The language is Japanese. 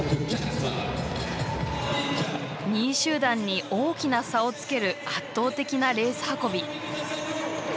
２位集団に大きな差をつける圧倒的なレース運び。